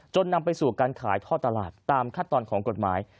นำไปสู่การขายท่อตลาดตามขั้นตอนของกฎหมาย